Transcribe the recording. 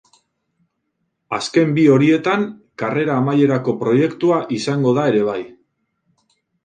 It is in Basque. Azken bi horietan Karrera Amaierako Proiektua izango da ere bai.